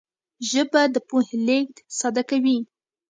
ژبه د پوهې لېږد ساده کوي